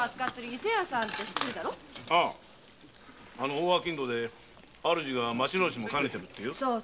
大商人で主が町名主もかねてるって。